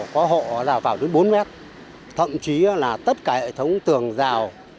có hộ là vào đến bốn mét thậm chí là tất cả hệ thống tường rào